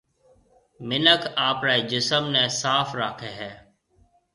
مِنک آپريَ جسم نَي صاف راکيَ هيَ۔